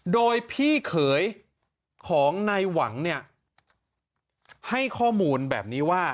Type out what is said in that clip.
โดยพี่เขยของนายหวังเนี่ยให้ข้อมูลแบบนี้ว่า